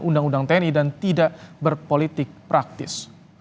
undang undang tni dan tidak berpolitik praktis